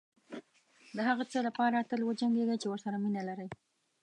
دهغه څه لپاره تل وجنګېږئ چې ورسره مینه لرئ.